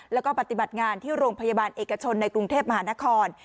แล้วก็ปฏิบัติงานที่โรงพยาบาลเอกชนในกรุงเทพมหานคร